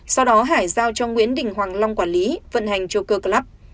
sau đó hải giao cho nguyễn đình hoàng long quản lý vận hành joker club